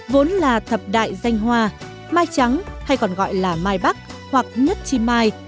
vốn là thập đại danh hoa mai trắng hay còn gọi là mai bắc hoặc nhất chi mai